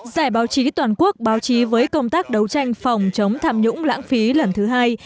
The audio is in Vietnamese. giải báo chí toàn quốc báo chí với công tác đấu tranh phòng chống tham nhũng lãng phí lần thứ hai